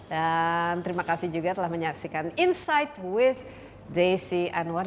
dan terima kasih juga telah menyaksikan insight with daisy anwar